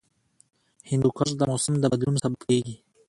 هندوکش د موسم د بدلون سبب کېږي.